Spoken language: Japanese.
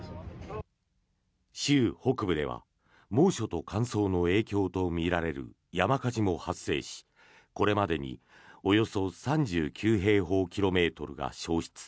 州北部では猛暑と乾燥の影響とみられる山火事も発生しこれまでにおよそ３９平方キロメートルが焼失。